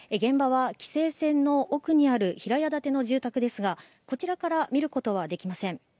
現場は規制線の奥にある平屋建ての住宅ですが、こちらから見ることはできません。